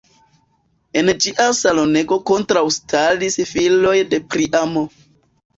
En ĝia salonego kontraŭstaris filoj de Priamo.